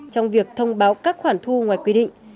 trong việc thông báo các khoản thu ngoài quy định